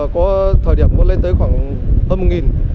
có thời điểm có lên tới khoảng hơn một